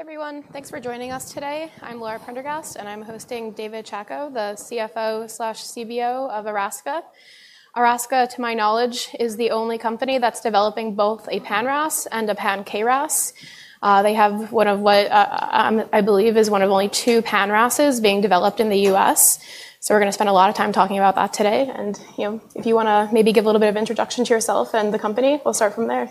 Hey everyone, thanks for joining us today. I'm Laura Prendergast and I'm hosting David Chacko, the CFO/CBO of Erasca. Erasca, to my knowledge, is the only company that's developing both a pan-RAS and a pan-KRAS. They have one of what I believe is one of only two pan-RAS being developed in the U.S. so we're going to spend a lot of time talking about that today and if you want to maybe give a little bit of introduction to yourself and the company, we'll start from there.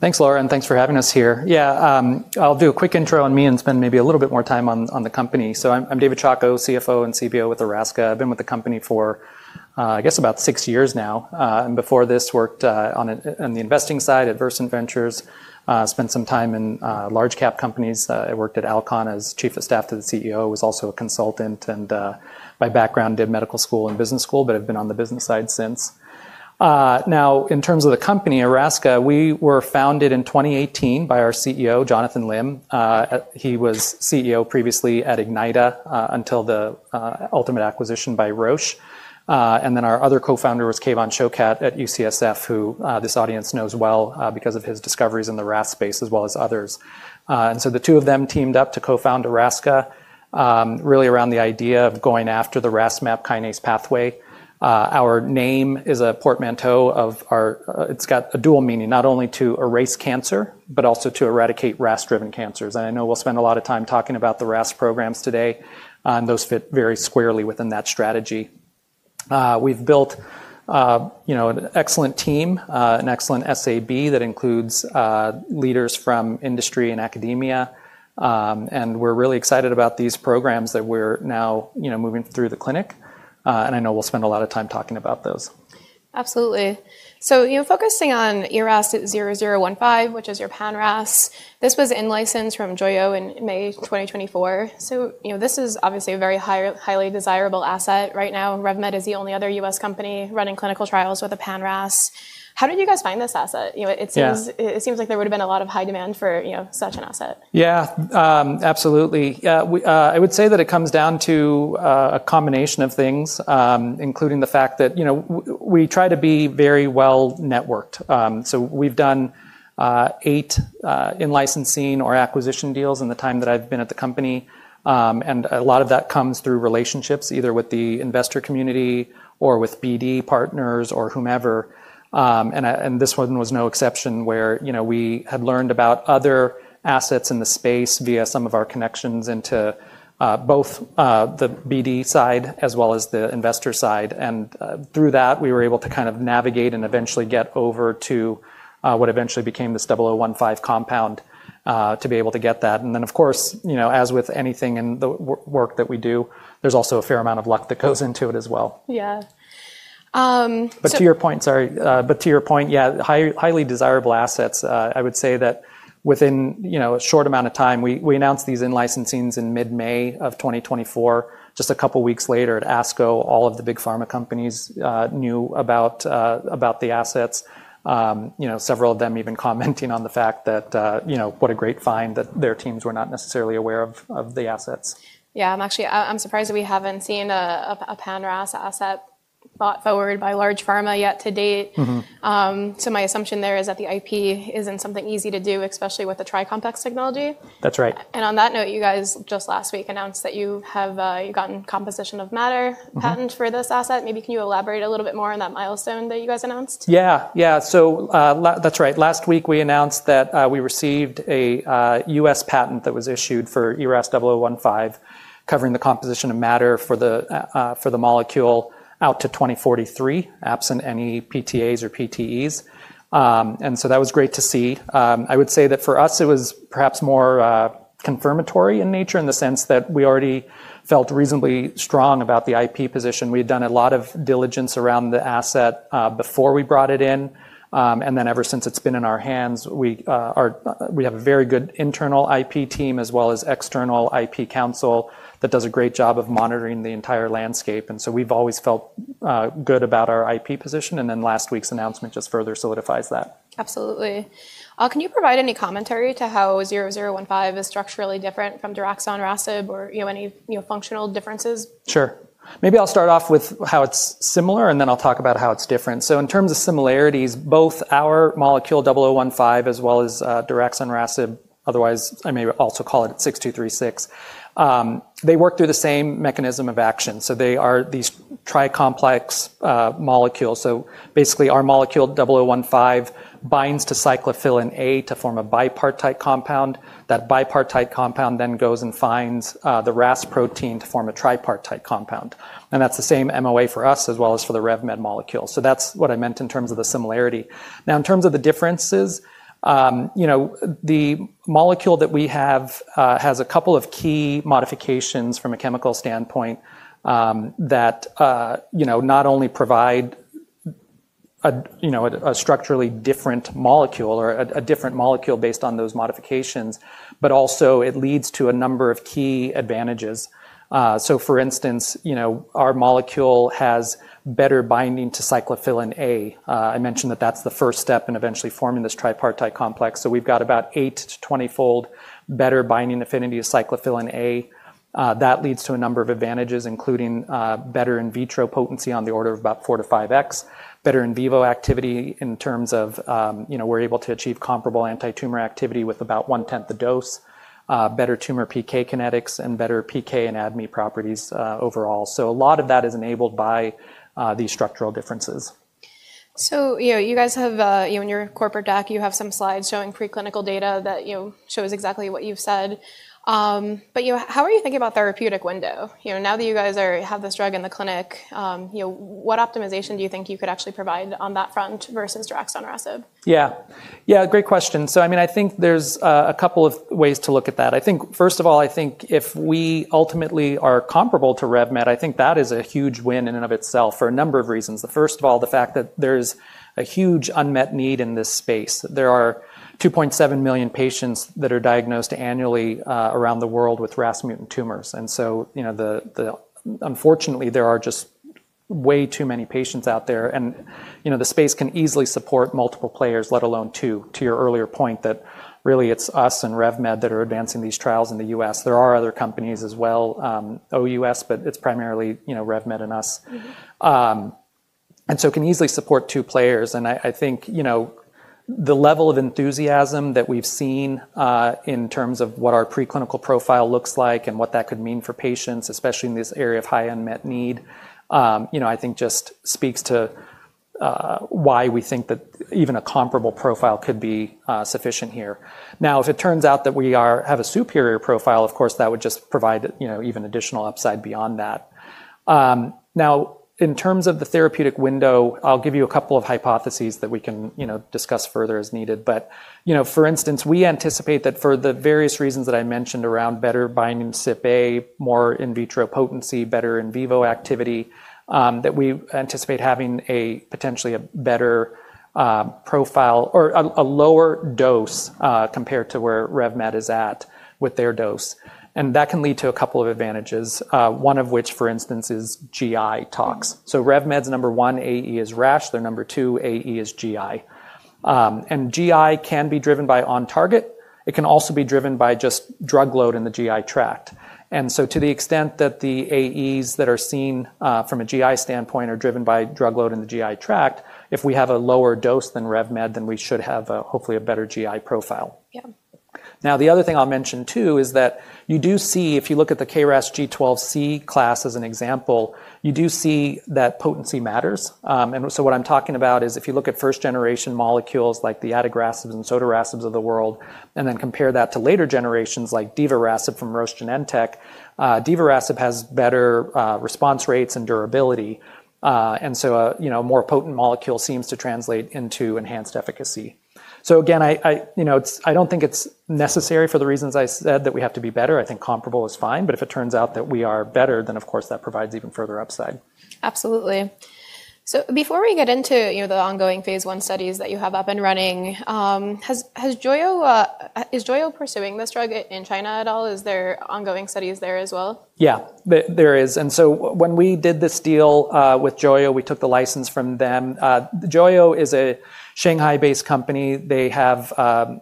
Thanks Laura, and thanks for having us here. Yeah, I'll do a quick intro on me and spend maybe a little bit more time on the company. So I'm David Chacko, CFO and CBO with Erasca. I've been with the company for I guess about six years now. Before this worked on the investing side at Versant Ventures, spent some time in large cap companies. I worked at Alcon as Chief of Staff to the CEO, was also a Consultant and by background did medical school and business school, but have been on the business side since. Now in terms of the company, Erasca, we were founded in 2018 by our CEO Jonathan Lim. He was CEO previously at Ignita until the ultimate acquisition by Roche. Our other co-founder was Kevan Shokat at UCSF, who this audience knows well because of his discoveries in the RAS space as well as others. The two of them teamed up to co-found Erasca really around the idea of going after the RAS-MAP Kinase pathway. Our name is a portmanteau with a dual meaning, not only to erase cancer, but also to eradicate RAS-driven cancers. I know we will spend a lot of time talking about the RAS programs today and those fit very squarely within that strategy. We have built an excellent team, an excellent SAB that includes leaders from industry and academia, and we are really excited about these programs that we are now moving through the clinic. I know we will spend a lot of time talking about those. Absolutely. Focusing on ERAS-0015, which is your pan-RAS, this was in-licensed from Joyo in May 2024. This is obviously a very highly desirable asset. Right now, RevMed is the only other U.S. company running clinical trials with a pan-RAS. How did you guys find this asset? It seems like there would have been a lot of high demand for such an asset. Yeah, absolutely. I would say that it comes down to a combination of things including the fact that we try to be very well networked. We have done eight in-licensing or acquisition deals in the time that I have been at the company. A lot of that comes through relationships either with the investor community or with BD partners or whomever. This one was no exception where we had learned about other assets in the space via some of our connections into both the BD side as well as the investor side. Through that we were able to kind of navigate and evaluate, get over to what eventually became this 0015 compound to be able to get that. Of course, as with anything in the work that we do, there is also a fair amount of luck that goes into it as well. Yeah. But to your point. Sorry, but to your point. Yeah, highly desirable assets. I would say that within a short amount of time. We announced these in-licensings in mid May of 2024. Just a couple weeks later at ASCO, all of the big pharma companies knew about the assets, several of them even commenting on the fact that what a great find that their teams were not necessarily aware of the assets. Yeah, I'm surprised that we haven't seen a pan-RAS asset bought forward by large pharma yet to date. So my assumption there is that the IP isn't something easy to do, especially with the tri-complex technology. That's right. On that note, you guys just last week announced that you have gotten Composition of Matter Patent for this asset. Maybe can you elaborate a little bit more on that milestone that you guys announced? Yeah, yeah, so that's right. Last week we announced that we received a U.S. patent that was issued for ERAS-0015 covering the composition of matter for the molecule out to 2043, absent any PTAs or PTEs. That was great to see. I would say that for us it was perhaps more confirmatory in nature in the sense that we already felt reasonably strong about the IP position. We had done a lot of diligence around the asset before we brought it in. Ever since it's been in our hands, we have a very good internal IP team as well as external IP counsel that does a great job of monitoring the entire landscape. We have always felt good about our IP position. Last week's announcement just further solidifies that. Absolutely. Can you provide any commentary to how 0015 is structurally different from daraxonrasib or any functional differences? Sure, maybe I'll start off with how it's similar and then I'll talk about how it's different. In terms of similarities, both our molecule 0015 as well as daraxonrasib, otherwise I may also call it 6236, they work through the same mechanism of action. They are these tri-complex molecules. Basically, our molecule 0015 binds to cyclophilin A to form a bipartite compound. That bipartite compound then goes and finds the RAS protein to form a tripartite compound. That's the same MOA for us as well as for the RevMed molecule. That's what I meant in terms of the similarity. Now, in terms of the differences, the molecule that we have has a couple of key modifications from a chemical standpoint that not only provide a structurally different molecule or a different molecule based on those modifications, but also it leads to a number of key advantages. For instance, our molecule has better binding to cyclophilin A. I mentioned that. That's the first step in eventually forming this tripartite complex. We have about 8 to 20-fold better binding affinity to cyclophilin A. That leads to a number of advantages, including better in vitro potency on the order of about 4x-5x, better in vivo activity in terms of we're able to achieve comparable anti-tumor activity with about one-tenth the dose, better tumor PK kinetics, and better PK and ADME properties overall. A lot of that is enabled by these structural differences. You guys have in your corporate doc, you have some slides showing preclinical data that shows exactly what you've said. How are you thinking about therapeutic window now that you guys have this drug in the clinic? What optimization do you think you could actually provide on that front versus daraxonrasib? Yeah, great question. I mean, I think there's a couple of ways to look at that. First of all, I think if we ultimately are comparable to RevMed, I think that is a huge win in and of itself for a number of reasons. First of all, the fact that there's a huge unmet need in this space. There are 2.7 million patients that are diagnosed annually around the world with RAS mutant tumors. Unfortunately, there are just way too many patients out there and the space can easily support multiple players, let alone two. To your earlier point, that really it's us and RevMed that are advancing these trials in the U.S. There are other companies as well, OUS, but it's primarily RevMed and us, and it can easily support two players. I think the level of enthusiasm that we've seen in terms of what our preclinical profile looks like and what that could mean for patients, especially in this area of high unmet need, just speaks to why we think that even a comparable profile could be sufficient here. If it turns out that we have a superior profile, of course that would just provide even additional upside beyond that. In terms of the therapeutic window, I'll give you a couple of hypotheses that we can discuss further as needed. For instance, we anticipate that for the various reasons that I mentioned around better binding, CIP, more in vitro potency, better in vivo activity, that we anticipate having potentially a better profile or a lower dose compared to where RevMed is at with their dose. That can lead to a couple of advantages, one of which for instance is GI tox. RevMed's number one AE is rash, their number two AE is GI. GI can be driven by on-target. It can also be driven by just drug load in the GI tract. To the extent that the AEs that are seen from a GI standpoint are driven by drug load in the GI tract, if we have a lower dose than RevMed, then we should have hopefully a better GI profile. The other thing I'll mention too is that you do see if you look at the KRAS G12C class as an example, you do see that potency matters. What I'm talking about is if you look at first-generation molecules like the adagrasibs and sotorasibs of the world, and then compare that to later generations like divarasib from Roche/Genentech, divarasib has better response rates and durability, and so a more potent molecule seems to translate into enhanced efficacy. Again, I don't think it's necessary for the reasons I said that we have to be better, I think comparable is fine, but if it turns out that we are better, then of course that provides even further upside. Absolutely. Before we get into the ongoing phase I studies that you have up and running, is Joyo pursuing this drug in China at all? Is there ongoing studies there as well? Yeah, there is. When we did this deal with Joyo, we took the license from them. Joyo is a Shanghai-based company. They have a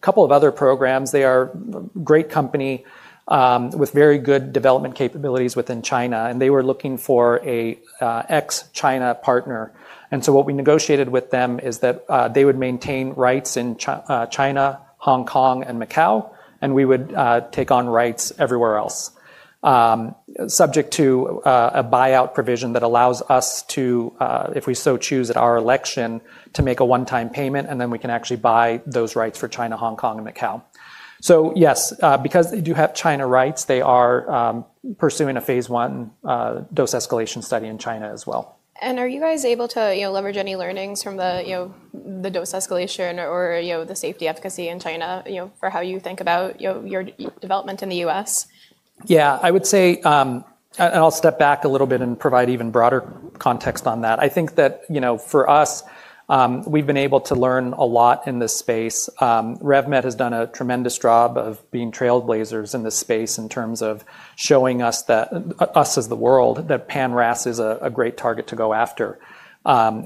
couple of other programs. They are a great company with very good development capabilities within China. They were looking for an ex-China partner. What we negotiated with them is that they would maintain rights in China, Hong Kong, and Macau, and we would take on rights everywhere else subject to a buyout provision that allows us, if we so choose at our election, to make a one-time payment and then we can actually buy those rights for China, Hong Kong, and Macau. Yes, because they do have China rights, they are pursuing a phase I dose escalation study in China as well. Are you guys able to leverage any learnings from the dose escalation or the safety efficacy in China for how you think about your development? The U.S. yeah, I would say and I'll step back a little bit and provide even broader context on that. I think that for us, we've been able to learn a lot in this space. RevMed has done a tremendous job of being trailblazers in this space in terms of showing us as the world that pan-RAS is a great target to go after. You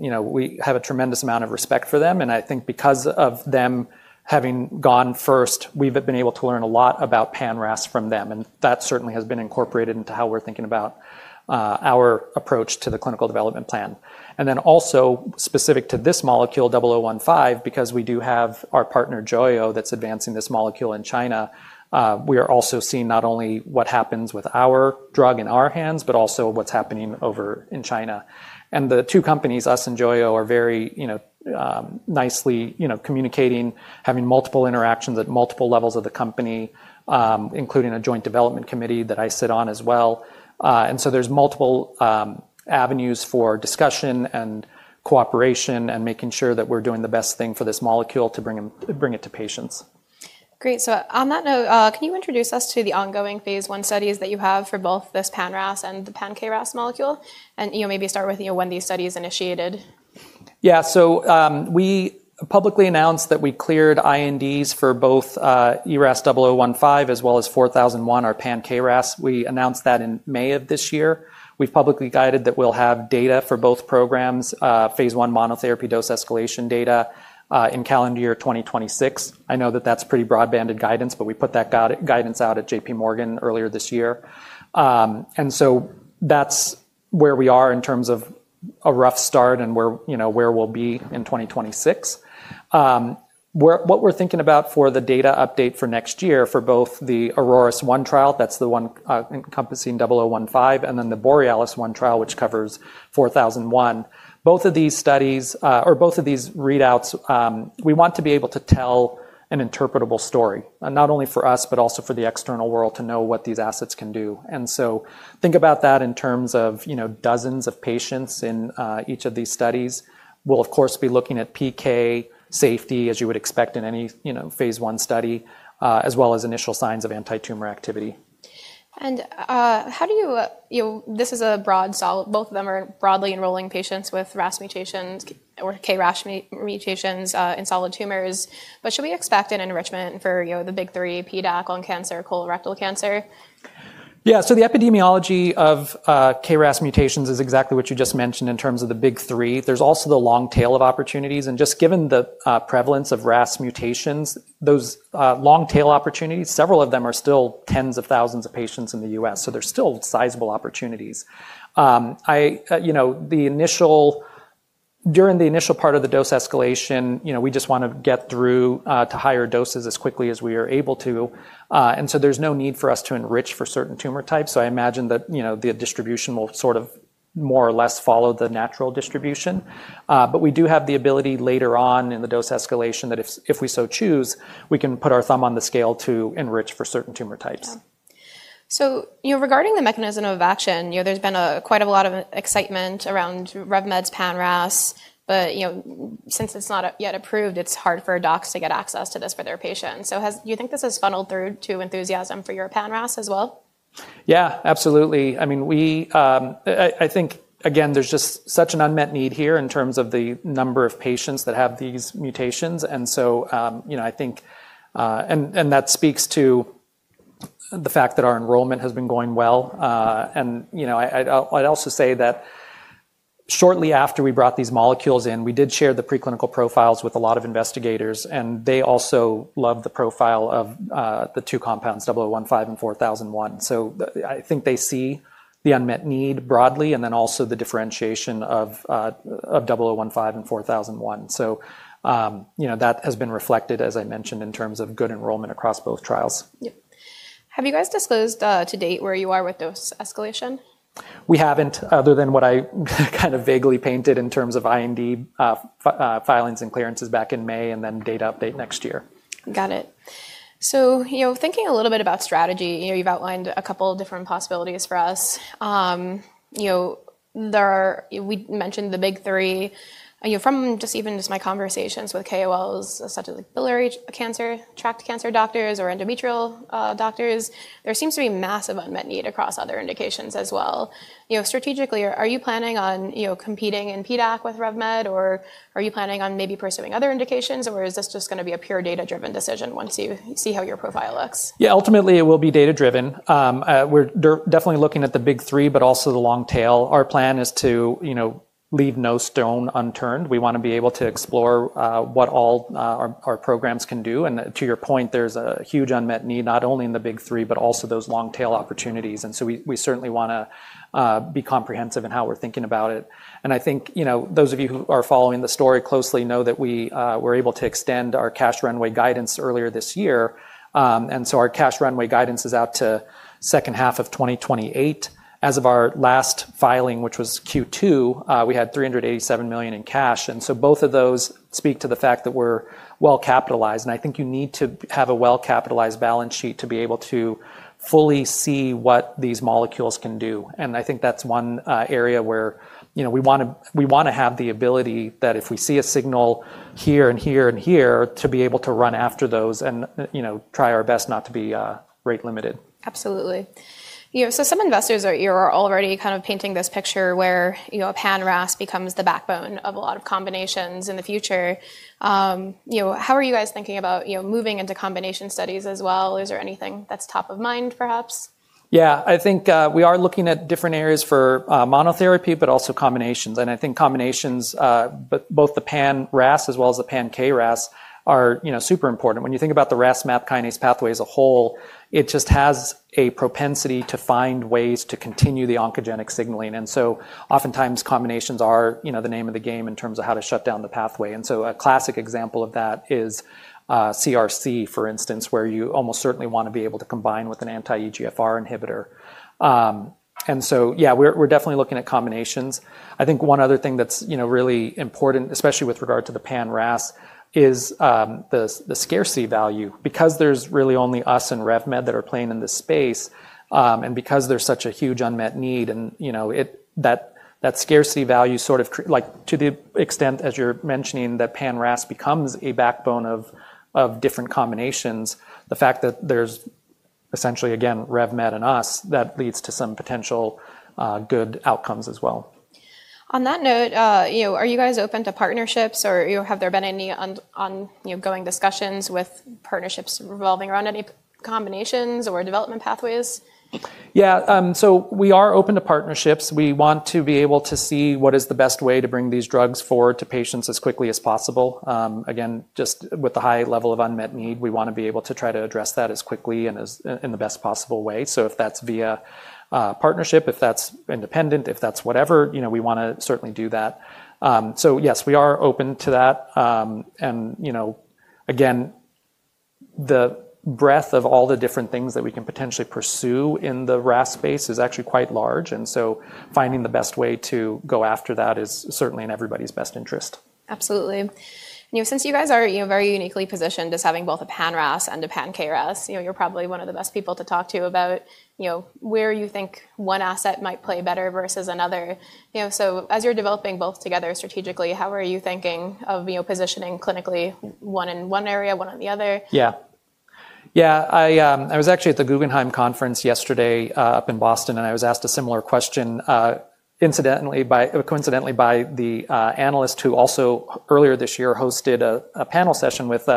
know, we have a tremendous amount of respect for them. I think because of them having gone first, we've been able to learn a lot about pan-RAS from them. That certainly has been incorporated into how we're thinking about our approach to the clinical development plan. Also, specific to this molecule 0015, because we do have our partner Joyo that's advancing this molecule in China, we are seeing not only what happens with our drug in our hands, but also what's happening over in China, and the two companies, U.S. and Joyo, are very nicely communicating, having multiple interactions at multiple levels of the company, including a joint development committee that I sit on as well. There are multiple avenues for discussion and cooperation and making sure that we're doing the best thing for this molecule to bring it to patients. Great. On that note, can you introduce us to the ongoing phase I studies that you have for both this pan-RAS and the pan-KRAS molecule and maybe start with when these studies initiated? Yeah. So we publicly announced that we cleared INDs for both ERAS-0015 as well as ERAS-4001, our pan-KRAS. We announced that in May of this year. We've publicly guided that we'll have data for both programs, phase I monotherapy dose escalation data in calendar year 2026. I know that that's pretty broad-banded guidance, but we put that guidance out at JPMorgan earlier this year. That's where we are in terms of a rough start and where we'll be in 2026. What we're thinking about for the data update for next year for both the AURORAS-1 trial, that's the one encompassing ERAS-0015, and then the BOREALIS-1 trial, which covers ERAS-4001, both of these studies, or both of these readouts. We want to be able to tell an interpretable story, not only for us, but also for the external world to know what these assets can do. Think about that in terms of dozens of patients in each of these studies. We'll, of course, be looking at PK safety, as you would expect in any phase I study, as well as initial signs of antitumor activity. How do you. This is a broad solid. Both of them are broadly enrolling patients with RAS mutations or KRAS mutations in solid tumors. Should we expect an enrichment for the big three, PDAC, colon cancer, colorectal cancer. Yeah. The epidemiology of KRAS mutations is exactly what you just mentioned. In terms of the big three, there's also the long tail of opportunities. Just given the prevalence of RAS mutations, those long tail opportunities, several of them are still tens of thousands of patients in the U.S. So there's still sizable opportunities. During the initial part of the dose escalation, we just want to get through to higher doses as quickly as we are able to. There's no need for us to enrich for certain tumor types. I imagine that the distribution will sort of more or less follow the natural distribution. We do have the ability later on in the dose escalation that if we so choose, we can put our thumb on the scale to enrich for certain tumor types. Regarding the mechanism of action, there's been quite a lot of excitement around RevMed's pan-RAS, but since it's not yet approved, it's hard for docs to get access to this for their patients. Do you think this has funneled through to enthusiasm for your pan-RAS as well? Yeah, absolutely. I mean, we. I think, again, there's just such an unmet need here in terms of the number of patients that have these mutations. You know, I think. That speaks to the fact that our enrollment has been going well. You know, I'd also say that shortly after we brought these molecules in, we did share the preclinical profiles with a lot of investigators, and they also love the profile of the two compounds, 0015 and 4001. I think they see the unmet need broadly and then also the differentiation of 0015 and 4001. That has been reflected, as I mentioned, in terms of good enrollment across both trials. Have you guys disclosed to date where you are with dose escalation? We haven't. Other than what I kind of vaguely painted in terms of IND filings and clearances back in May and then data update next year. Got it. So thinking a little bit about strategy, you've outlined a couple different possibilities for us. You know, there are we mentioned the big three from just even just my conversations with KOLs, such as biliary cancer, tract cancer doctors or endometrial doctors. There seems to be massive unmet need across other indications as well. You know, strategically, are you planning on competing in PDAC with RevMed or are you planning on maybe pursuing other indications? Or is this just going to be a pure data-driven decision? Once you see how your profile looks. Yeah, ultimately it will be data driven. We're definitely looking at the big three, but also the long tail. Our plan is to leave no stone unturned. We want to be able to explore what all our programs can do. And to your point, there's a huge unmet need not only in the big three, but also those long tail opportunities. We certainly want to be comprehensive in how we're thinking about it. I think, you know, those of you who are following the story closely know that we were able to extend our cash runway guidance earlier this year. Our cash runway guidance is out to second half of 2028. As of our last filing, which was Q2, we had $387 million in cash. Both of those speak to the fact that we're well-capitalized. I think you need to have a well-capitalized balance sheet to be able to fully see what these molecules can do. I think that's one area where we want to have the ability that if we see a signal here and here and here, to be able to run after those and try our best not to be rate limited. Absolutely. Some investors are already kind of painting this picture where a pan-RAS becomes the backbone of a lot of combinations in the future. How are you guys thinking about moving into combination studies as well? Is there anything that's top of mind perhaps? Yeah, I think we are looking at different areas for monotherapy, but also combinations. I think combinations, both the pan-RAS as well as the pan-KRAS, are super important. When you think about the RAS-MAPK pathway as a whole, it just has a propensity to find ways to continue the oncogenic signaling. Oftentimes, combinations are the name of the game in terms of how to shut down the pathway. A classic example of that is CRC, for instance, where you almost certainly want to be able to combine with an anti-EGFR inhibitor. Yeah, we're definitely looking at combinations. I think one other thing that's really important, especially with regard to the pan-RAS, is the scarcity value, because there's really only U.S. and RevMed that are playing in this space. Because there's such a huge unmet need and that scarcity value, sort of like to the extent as you're mentioning that pan-RAS becomes a backbone of different combinations, the fact that there's essentially, again, RevMed and us, that leads to some potential good outcomes as well. On that note, are you guys open to partnerships or have there been any ongoing discussions with partnerships revolving around any combinations or development pathways? Yeah, we are open to partnerships. We want to be able to see what is the best way to bring these drugs forward to patients as quickly as possible. Again, just with the high level of unmet need, we want to be able to try to address that as quickly and in the best possible way. If that's via partnership, if that's independent, if that's whatever, we want to certainly do that. Yes, we are open to that. Again, the breadth of all the different things that we can potentially pursue in the RAS space is actually quite large. Finding the best way to go after that is certainly in everybody's best interest. Absolutely. Since you guys are very uniquely positioned as having both a pan-RAS and a pan-KRAS, you're probably one of the best people to talk to about where you think one asset might play better versus another. As you're developing both together strategically, how are you thinking of positioning clinically, one in one area, one in the other? Yeah. I was actually at the Guggenheim conference yesterday up in Boston, and I was asked a similar question, coincidentally by the analyst who also earlier this year hosted a panel session with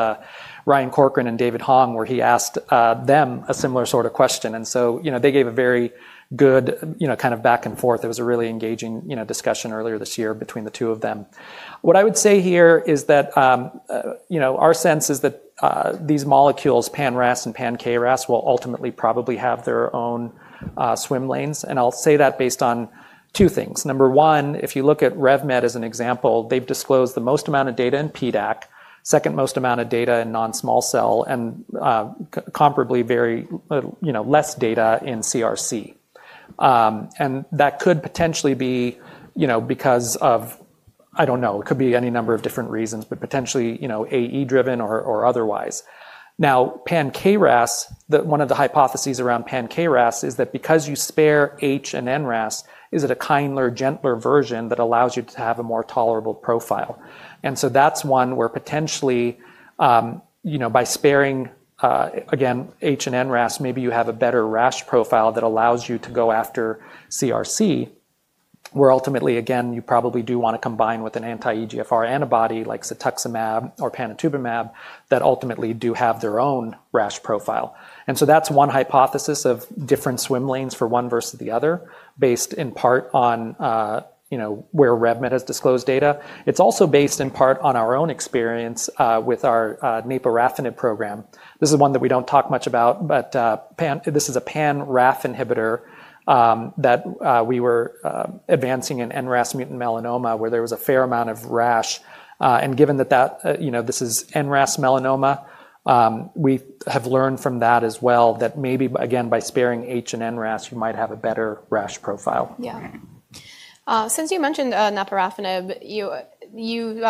Ryan Corcoran and David Hong, where he asked them a similar sort of question. They gave a very good kind of back and forth. It was a really engaging discussion earlier this year between the two of them. What I would say here is that our sense is that these molecules, Pan-RAS and pan-KRAS, will ultimately probably have their own swim lanes. I'll say that based on two things. Number one, if you look at RevMed as an example, they've disclosed the most amount of data in PDAC, second most amount of data in non-small cell, and comparably very less data in CRC. That could potentially be because of, I do not know, it could be any number of different reasons, but potentially AE driven or otherwise. Now, pan-KRAS, one of the hypotheses around pan-KRAS is that because you spare H- and NRAS, is it a kinder, gentler version that allows you to have a more tolerable profile? That is one where potentially by sparing again H- and NRAS, maybe you have a better rash profile that allows you to go after CRC, where ultimately, again, you probably do want to combine with an anti-EGFR antibody like cetuximab or panitumumab that ultimately do have their own rash profile. That is one hypothesis of different swim lanes for one versus the other, based in part on, you know, where RevMed has disclosed data. It is also based in part on our own experience with our naporafenib program. This is one that we do not talk much about, but this is a pan-RAF inhibitor that we were advancing in NRAS mutant melanoma, where there was a fair amount of rash. Given that this is NRAS melanoma, we have learned from that as well that maybe again, by sparing H- and NRAS, you might have a better rash profile. Since you mentioned naporafenib, you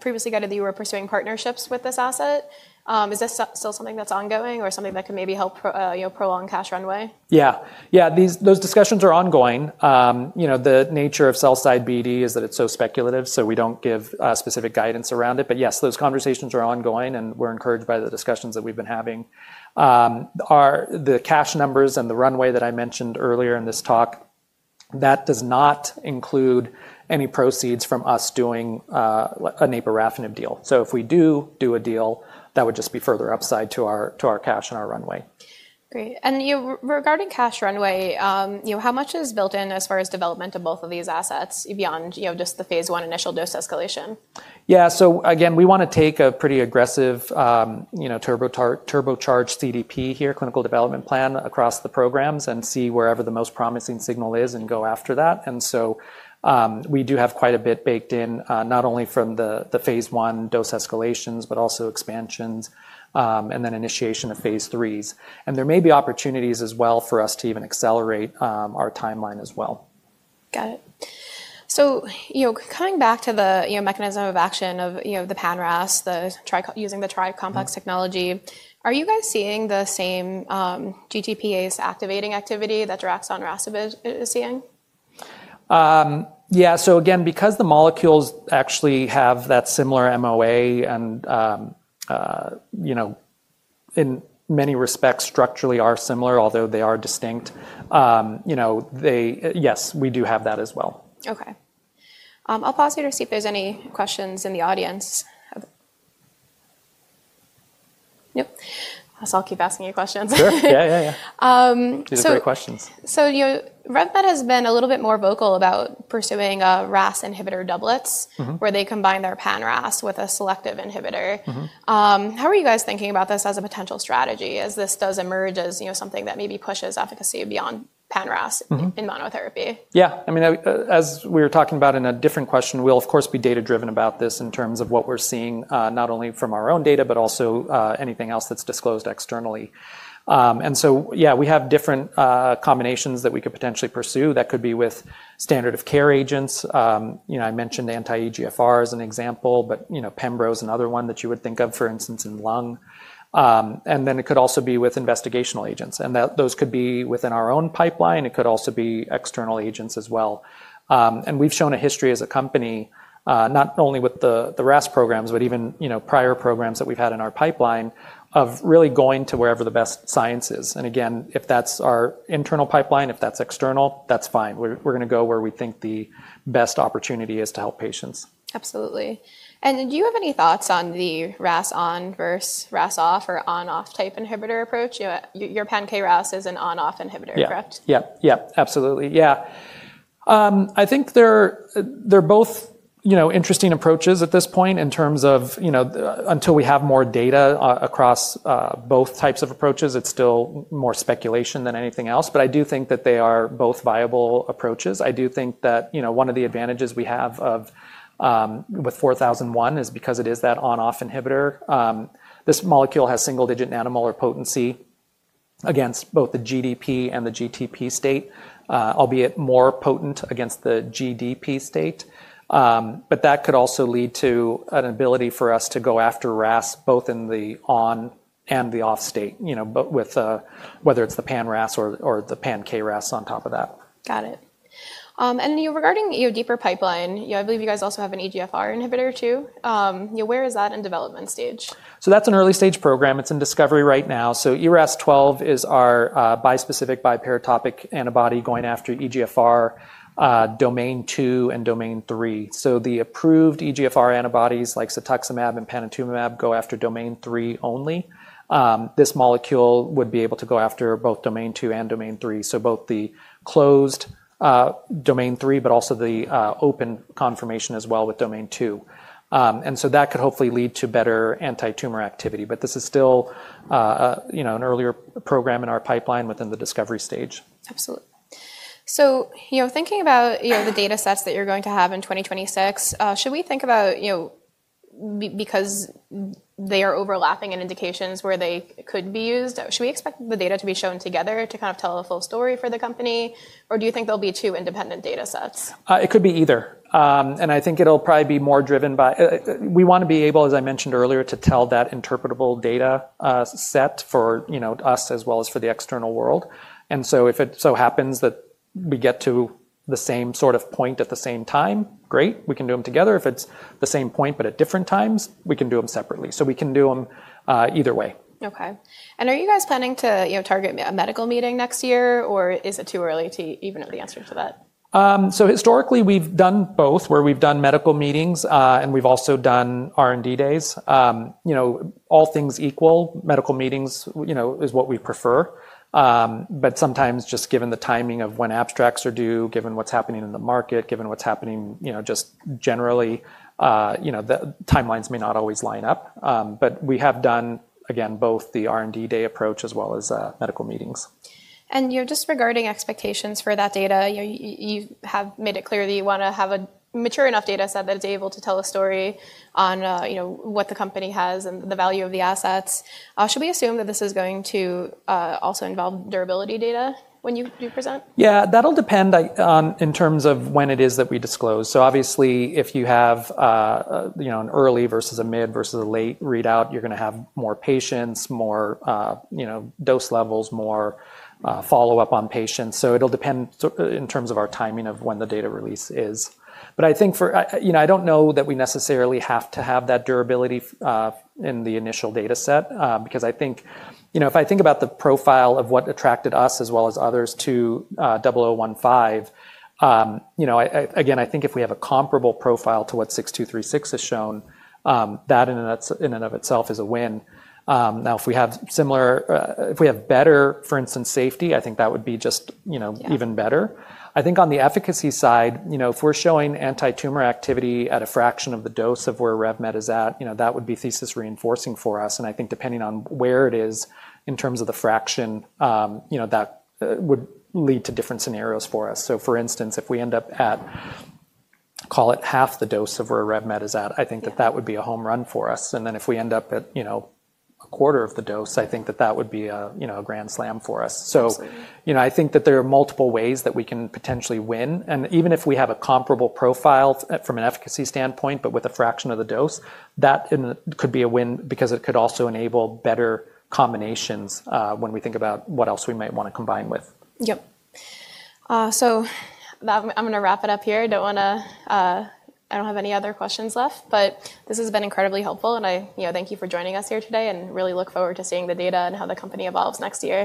previously guided that you were pursuing partnerships with this asset. Is this still something that's ongoing or something that could maybe help prolong cash runway? Yeah, yeah, those discussions are ongoing. You know, the nature of sell side BD is that it's so speculative, so we do not give specific guidance around it. Yes, those conversations are ongoing, and we are encouraged by the discussions that we have been having. The cash numbers and the runway that I mentioned earlier in this talk, that does not include any proceeds from us doing a naporafenib deal. If we do do a deal, that would just be further upside to our cash and our runway. Great. Regarding cash runway, how much is built in as far as development of both of these assets beyond just the phase I initial dose escalation? Yeah. We want to take a pretty aggressive turbocharged CDP here, clinical development plan across the programs, and see wherever the most promising signal is and go after that. We do have quite a bit baked in, not only from the phase I dose escalations, but also expansions and then initiation of phase IIIs. There may be opportunities as well for us to even accelerate our timeline as well. Got it. Coming back to the mechanism of action of the pan-RAS using the tri-complex technology. Are you guys seeing the same GTPase activating activity that daraxonrasib is seeing? Yeah, so again, because the molecules actually have that similar MOA and, you know, in many respects structurally are similar, although they are distinct, you know, they. Yes, we do have that as well. Okay, I'll pause here to see if there's any questions in the audience. Yep. I'll keep asking you questions. Sure. Yeah, yeah. These are great questions. RevMed has been a little bit more vocal about pursuing a RAS inhibitor doublets where they combine their pan-RAS with a selective inhibitor. How are you guys thinking about this as a potential strategy as this does emerge as something that maybe pushes efficacy beyond pan-RAS in monotherapy? Yeah, I mean, as we were talking about in a different question, we'll of course be data driven about this in terms of what we're seeing, not only from our own data, but also anything else that's disclosed externally. Yeah, we have different combinations that we could potentially pursue that could be with standard of care agents. You know, I mentioned anti-EGFR as an example, but you know, Pembro is another one that you would think of, for instance, in lung. It could also be with investigational agents and those could be within our own pipeline. It could also be external agents as well. We've shown a history as a company not only with the RAS programs, but even, you know, prior programs that we've had in our pipeline of really going to wherever the best science is. If that's our internal pipeline, if that's external, that's fine. We're going to go where we think the best opportunity is to help patients. Absolutely. Do you have any thoughts on the RAS-ON versus RAS-OFF or ON/OFF type inhibitor approach? Your pan-KRAS is an ON/OFF inhibitor, correct? Yeah, yeah, absolutely. Yeah. I think they're both interesting approaches at this point in terms of until we have more data across both types of approaches, it's still more speculation than anything else. I do think that they are both viable approaches. I do think that, you know, one of the advantages we have with 4001 is because it is that on/off inhibitor, this molecule has single-digit nanomolar potency against both the GDP and the GTP state, albeit more potent against the GDP state. That could also lead to an ability for us to go after RAS both in the on and the off state. You know, whether it's the pan-RAS or the pan-KRAS on top of that. Got it and regarding EODPR pipeline, I believe you guys also have an EGFR inhibitor too. Where is that? In development stage. That's an early stage program. It's in discovery right now. ERAS-12 is our bispecific biparatopic antibody going after EGFR domain II and domain III. The approved EGFR antibodies like cetuximab and panitumumab go after domain III. Only this molecule would be able to go after both domain II and domain III. Both the closed domain III, but also the open conformation as well with domain II. That could hopefully lead to better antitumor activity. This is still an earlier program in our pipeline within the discovery stage. Absolutely. Thinking about the data sets that you're going to have in 2026, should we think about, because they are overlapping in indications where they could be used, should we expect the data to be shown together to kind of tell a full story for the company, or do you think there will be two independent data sets? It could be either. I think it'll probably be more driven by. We want to be able, as I mentioned earlier, to tell that interpretable data set for us as well as for the external world. If it so happens that we get to the same sort of point at the same time, great, we can do them together. If it's the same point, but at different times, we can do them separately. We can do them either way. Okay, and are you guys planning to target a medical meeting next year or is it too early to even at least answer to that? Historically we've done both where we've done medical meetings and we've also done R&D days, you know, all things equal. Medical meetings, you know, is what we prefer. Sometimes just given the timing of when abstracts are due, given what's happening in the market, given what's happening, you know, just generally, the timelines may not always line up, but we have done, again, both the R&D day approach as well as medical meetings. You know, just regarding expectations for that data, you have made it clear that you want to have a mature enough data set that it is able to tell a story on, you know, what the company has and the value of the assets. Should we assume that this is going to also involve durability data when you do present? Yeah, that'll depend in terms of when it is that we disclose. Obviously, if you have, you know, an early versus a mid versus a late readout, you're going to have more patients, more dose levels, more follow up on patients. It'll depend in terms of our timing of when the data release is. I think for, you know, I don't know that we necessarily have to have that durability in the initial data set because I think, you know, if I think about the profile of what attracted us as well as others to 0015, you know, again, I think if we have a comparable profile to what 6236 has shown and that in and of itself is a win. Now if we have similar, if we have better for instance safety, I think that would be just even better. I think on the efficacy side, if we're showing anti-tumor activity at a fraction of the dose of where RevMed is at, that would be thesis reinforcing for us. I think depending on where it is in terms of the fraction, that would lead to different scenarios for us. For instance, if we end up at, call it half the dose of where RevMed is at, I think that that would be a home run for us. If we end up at, you know, a quarter of the dose, I think that that would be a, you know, a grand slam for us. You know, I think that there are multiple ways that we can potentially win. Even if we have a comparable profile from an efficacy standpoint, but with a fraction of the dose, that could be a win because it could also enable better combinations when we think about what else we might want to combine with. Yep. I am going to wrap it up here. I do not have any other questions left but this has been incredibly helpful and I thank you for joining us here today and really look forward to seeing the data and how the company evolves next year.